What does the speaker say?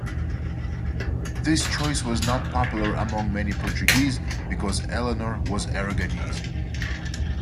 This choice was not popular among many Portuguese, because Eleanor was Aragonese.